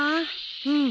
うん。